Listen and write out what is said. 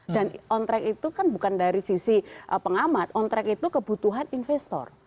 dan on track itu kan bukan dari sisi pengamat on track itu kebutuhan investor